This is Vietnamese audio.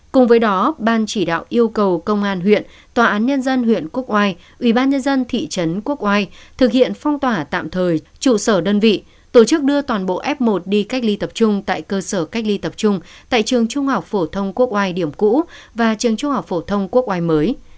cùng với đó ban chỉ đạo yêu cầu công an huyện tòa án nhân dân huyện quốc oai ubnd thị trấn quốc oai thực hiện phong tỏa tạm thời trụ sở đơn vị tổ chức đưa toàn bộ f một đi cách ly tập trung tại cơ sở cách ly tập trung tại trường trung học phổ thông quốc oai điểm cũ và trường trung học phổ thông quốc oai mới